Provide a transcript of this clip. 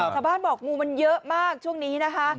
ชาวบ้านบอกงูมันเยอะมากช่วงนี้นะคะ